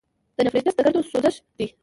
د نیفریټس د ګردو سوزش دی.